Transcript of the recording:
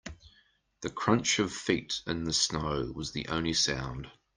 The crunch of feet in the snow was the only sound.